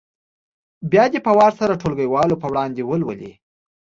بیا دې په وار سره ټولګیوالو په وړاندې ولولي.